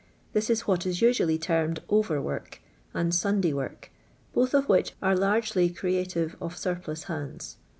This is what is usually termed over work and Sunday work, both of which are largely creative of surplus hands.